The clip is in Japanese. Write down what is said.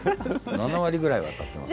７割ぐらいは当たっています。